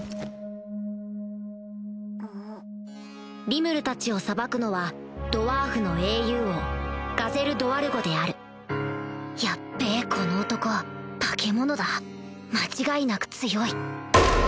リムルたちを裁くのはドワーフの英雄王ガゼル・ドワルゴであるヤッベこの男化け物だ間違いなく強い